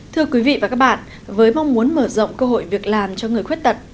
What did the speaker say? thưa quý vị và các bạn với mong muốn mở rộng cơ hội việc làm cho người khuyết tật